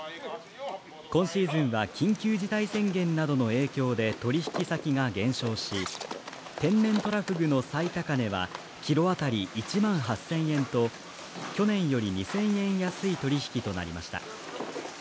今シーズンは緊急事態宣言などの影響で取引先が減少し、天然トラフグの最高値はキロあたり１万８０００円と去年より２０００円安い取り引きとなりました。